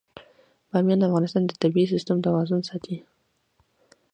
بامیان د افغانستان د طبعي سیسټم توازن ساتي.